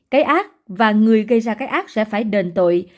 cái ác và người gây ra cái ác sẽ phải đền tội